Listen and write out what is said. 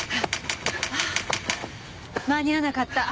あー間に合わなかった。